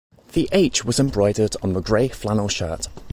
The 'H' was embroidered on the gray flannel shirt.